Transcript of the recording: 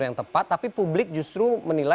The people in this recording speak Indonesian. saya ingin mencetak pelajar pancasila